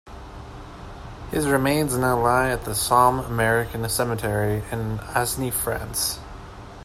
His remains now lie at the Somme American Cemetery in Aisne, France.